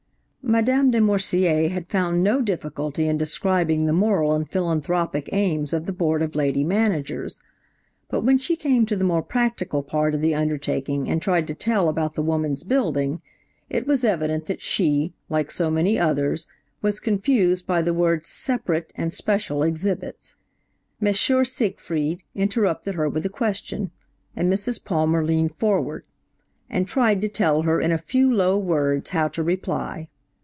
"Madame de Morsier had found no difficulty in describing the moral and philanthropic aims of the Board of Lady Managers, but when she came to the more practical part of the undertaking and tried to tell about the Woman's Building, it was evident that she, like so many others, was confused by the words 'separate' and 'special' exhibits, M. Siegfried interrupted her with a question, and Mrs. Palmer leaned forward, and tried to tell her in a few low words how to reply.